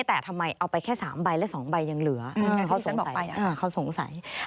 แต่ทำไมเอาไปแค่๓ใบและ๒ใบยังเหลือเขาสงสัยเขาสงสัย